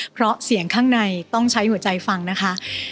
เพราะเสียงข้างในต้องใช้หัวใจฟังนะคะ